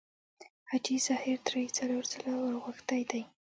حاجي ظاهر درې څلور ځله ورغوښتی دی.